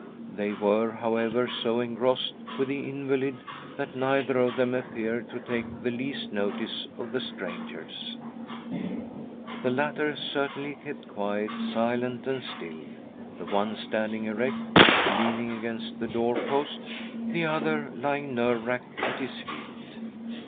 They were, however, so engrossed with the invalid, that neither of them appeared to take the least notice of the strangers. The latter certainly kept quite silent and still — the one stand ing erect, leaning against the door post, the other A CALL FROM THE PAST 69 lying nerve racked at his feet.